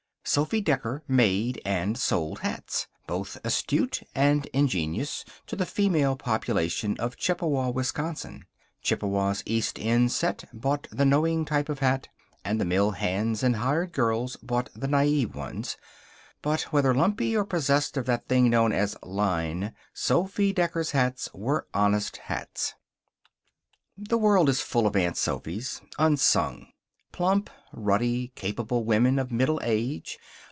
Sophy Decker made and sold hats, both astute and ingenuous, to the female population of Chippewa, Wisconsin. Chippewa's East End set bought the knowing type of hat, and the mill hands and hired girls bought the naive ones. But whether lumpy or possessed of that thing known as line, Sophy Decker's hats were honest hats. The world is full of Aunt Sophys, unsung. Plump, ruddy, capable women of middle age.